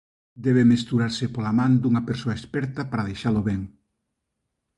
Debe mesturarse pola man dunha persoa experta para deixalo ben.